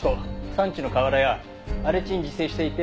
山地の河原や荒れ地に自生していて。